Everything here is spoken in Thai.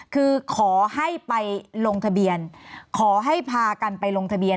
คือขอให้ไปลงทะเบียนขอให้พากันไปลงทะเบียน